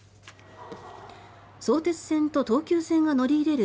相鉄線と東急線が乗り入れる